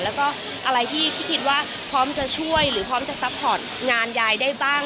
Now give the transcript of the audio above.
แล้วก็อะไรที่คิดว่าพร้อมจะช่วยหรือพร้อมจะซัพพอร์ตงานยายได้บ้าง